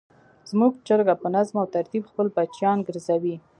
زموږ چرګه په نظم او ترتیب خپل بچیان ګرځوي.